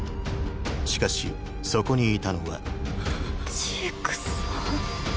しかしそこにいたのはジークさん？